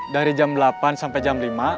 dari jam delapan sampai jam lima